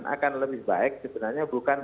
akan lebih baik sebenarnya bukan